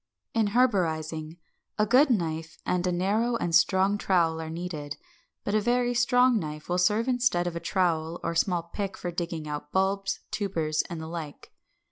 558. =In Herborizing=, a good knife and a narrow and strong trowel are needed; but a very strong knife will serve instead of a trowel or small pick for digging out bulbs, tubers, and the like.